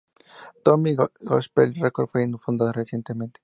Tommy Gospel Records fue fundada recientemente.